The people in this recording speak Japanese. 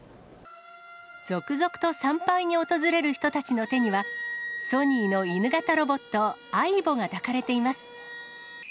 続々と参拝に訪れる人たちの手には、ソニーの犬型ロボット、ａｉｂｏが抱かれています。